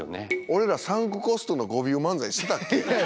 俺らサンクコストの誤謬漫才してたっけ？